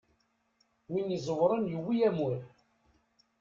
Win iẓewren yewwi amur.